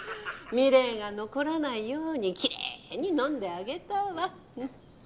未練が残らないようにきれいに飲んであげたわ。